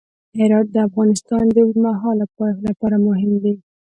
هرات د افغانستان د اوږدمهاله پایښت لپاره مهم دی.